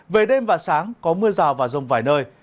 về đêm và sáng có mưa rào và rông vài nơi